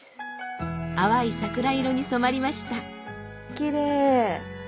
淡い桜色に染まりましたキレイ。